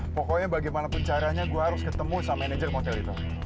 pokoknya bagaimanapun caranya gue harus ketemu sama manajer hotel itu